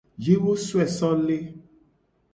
Ye wo soe so le.